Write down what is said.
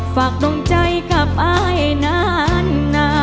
ดงใจกับอายนาน